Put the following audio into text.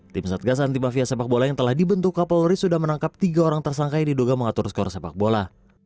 tim satgas anti mafia sepak bola yang telah dibentuk kapolri sudah menangkap tiga orang tersangka yang diduga mengatur skor sepak bola